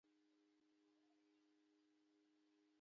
په همدې ترتیب بوټ جوړونکی ډوډۍ ته جدي اړتیا لري